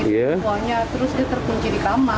ruangnya terus terkunci di kamar